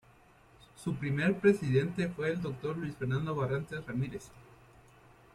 Su primer presidente fue el Dr. Luis Fernando Barrantes Ramírez.